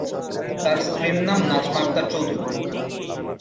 তার স্ত্রীর নাম নাজমা আক্তার চৌধুরী।